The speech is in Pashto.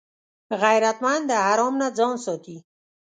غیرتمند د حرام نه ځان ساتي